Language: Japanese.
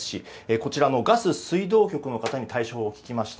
こちらのガス水道局の方に対処法を聞きました。